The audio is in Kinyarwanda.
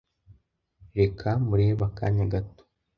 Reka murebe akanya gato.